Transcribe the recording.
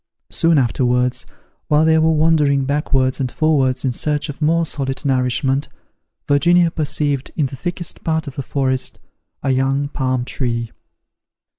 Soon afterwards while they were wandering backwards and forwards in search of more solid nourishment, Virginia perceived in the thickest part of the forest, a young palm tree.